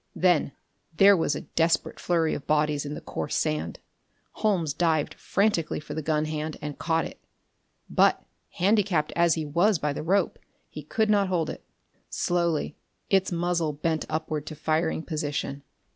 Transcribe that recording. Then there was a desperate flurry of bodies in the coarse sand. Holmes dived frantically for the gun hand and caught it; but, handicapped as he was by the rope, he could not hold it. Slowly its muzzle bent upward to firing position.